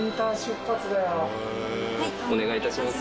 お願いいたします。